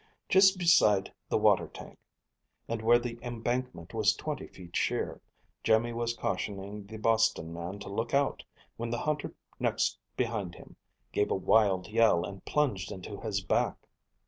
Just beside the water tank, and where the embankment was twenty feet sheer, Jimmy was cautioning the Boston man to look out, when the hunter next behind him gave a wild yell and plunged into his back.